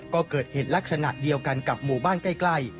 ก็เกิดเหตุลักษณะเดียวกันกับหมู่บ้านใกล้